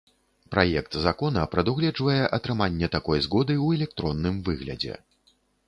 Праект закона прадугледжвае атрыманне такой згоды ў электронным выглядзе.